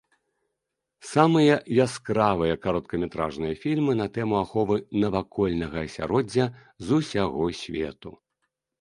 Самыя яскравыя кароткаметражныя фільмы на тэму аховы навакольнага асяроддзя з усяго свету.